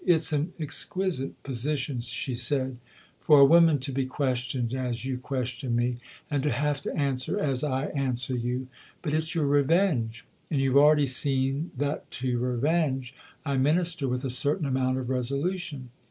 " It's an exquisite position," she said, " for a woman to be questioned as you question me, and to have to answer as I answer you. But it's your revenge, and you've already seen that to your revenge I minister with a certain amount of resolution."